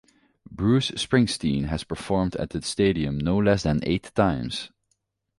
Bruce Springsteen has performed at the stadium no less than eight times.